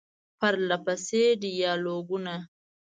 پرله پسې ډیالوګونه ،